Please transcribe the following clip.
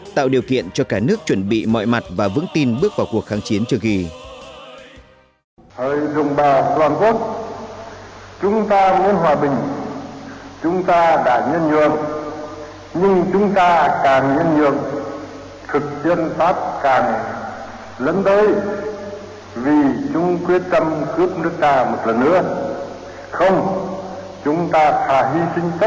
tạo điều kiện cho cả nước chuẩn bị mọi mặt và vững tin bước vào cuộc kháng chiến trước khi